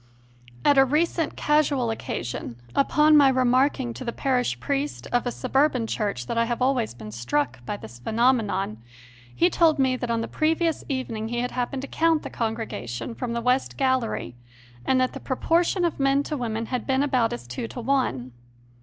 At a recent casual occa sion, upon my remarking to the parish priest of a suburban church that I have always been struck by this phenomenon, he told me that on the previous evening he had happened to count the congrega tion from the west gallery and that the proportion of men to women had been about as two to one.